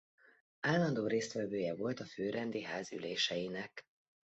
Állandó résztvevője volt a főrendi ház üléseinek.